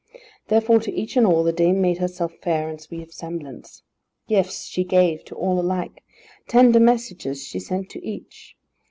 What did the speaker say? Therefore to each and all, the dame made herself fair and sweet of semblance. Gifts she gave to all alike. Tender messages she sent to each.